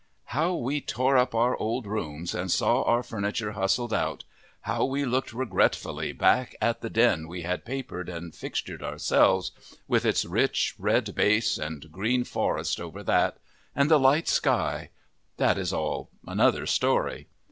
How we tore up our old rooms and saw our furniture hustled out, how we looked regretfully back at the den we had papered and fixtured ourselves, with its rich red base and green forest over that, and the light sky that is all another story.